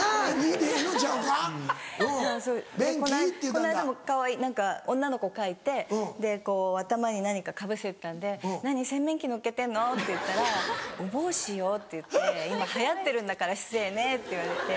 この間も女の子を描いてこう頭に何かかぶせてたんで「洗面器のっけてんの？」って言ったら「お帽子よ」って言って「今流行ってるんだから失礼ね」って言われて。